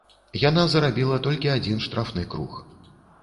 Яна зарабіла толькі адзін штрафны круг.